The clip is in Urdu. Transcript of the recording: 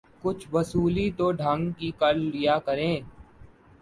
کچھ وصولی تو ڈھنگ کی کرا لیا کریں۔